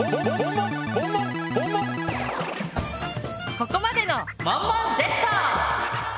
ここまでの「モンモンＺ」！